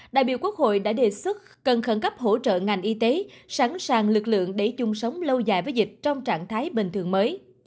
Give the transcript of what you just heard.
đại biểu quốc hội đã đề xuất cần khẩn cấp hỗ trợ ngành y tế sẵn sàng lực lượng để chung sống lâu dài với dịch trong trạng thái bình thường mới